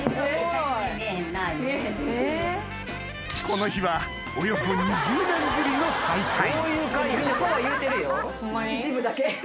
この日はおよそ２０年ぶりの再会